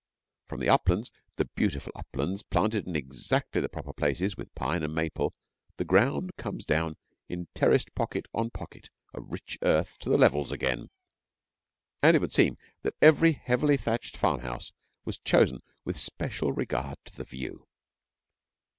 From the uplands the beautiful uplands planted in exactly the proper places with pine and maple the ground comes down in terraced pocket on pocket of rich earth to the levels again, and it would seem that every heavily thatched farmhouse was chosen with special regard to the view.